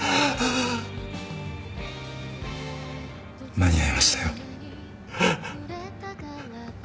間に合いましたよ。